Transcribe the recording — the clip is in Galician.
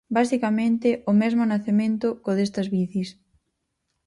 Basicamente o mesmo nacemento có destas Bicis.